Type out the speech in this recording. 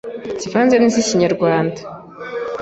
zivanze n’iza kinyarwanda